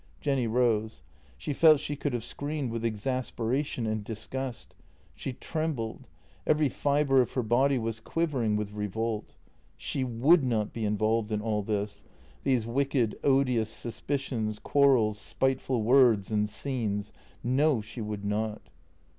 " Jenny rose. She felt she could have screamed with exaspera tion and disgust. She trembled; every fibre of her body was quivering with revolt. She would not be involved in all this — these wicked, odious suspicions, quarrels, spiteful words, and scenes — no, she would not.